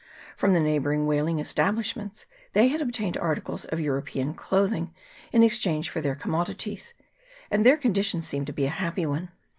From the neighbouring whaling establishments they had ob tained articles of European clothing in exchange for their commodities, and their condition seemed to be a happy one.